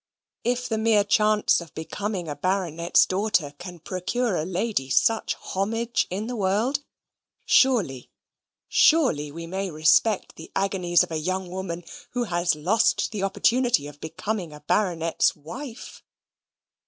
If the mere chance of becoming a baronet's daughter can procure a lady such homage in the world, surely, surely we may respect the agonies of a young woman who has lost the opportunity of becoming a baronet's wife.